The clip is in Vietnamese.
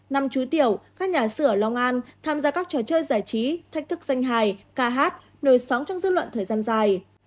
năm chú tiểu các nhà sửa ở long an tham gia các trò chơi giải trí thách thức danh hài ca hát nồi sóng trong dư luận thời gian dài